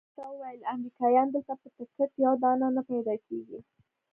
ما ورته وویل امریکایان دلته په ټکټ یو دانه نه پیدا کیږي.